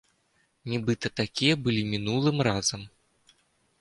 Нібыта такія былі мінулым разам?